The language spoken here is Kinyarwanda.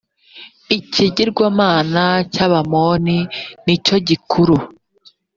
ikigirwamana cy’ abamoni nicyogikuru.